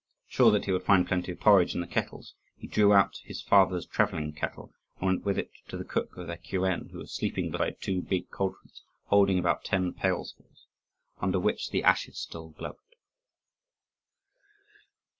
Sure that he would find plenty of porridge in the kettles, he drew out his father's travelling kettle and went with it to the cook of their kuren, who was sleeping beside two big cauldrons, holding about ten pailfuls, under which the ashes still glowed.